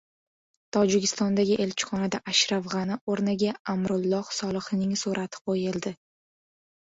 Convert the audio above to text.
Tojikistondagi elchixonada Ashraf G‘ani o‘rniga Amrulloh Solihning surati qo‘yildi